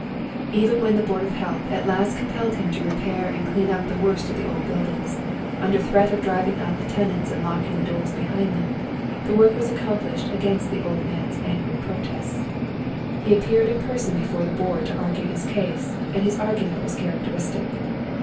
Even when the Board of Health at last compelled him to repair and clean up the worst of the old buildingSj oy Google ;i^ now TI!K O'l'dK!! HA).F LIVES. under tlireat of driving out the tenants and locking tlie doors behind them, tlie work was accouiplislied against the old man's angry protests. Ho appeared in person be fore the Board to argue his case, and liis argument was eliaraeteristic.